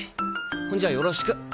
ほんじゃよろしく。